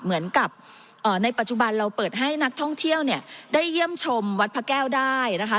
เหมือนกับในปัจจุบันเราเปิดให้นักท่องเที่ยวเนี่ยได้เยี่ยมชมวัดพระแก้วได้นะคะ